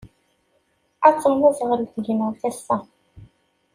Ad temmuẓɣel tegnawt ass-a